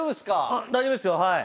あっ大丈夫ですよはい。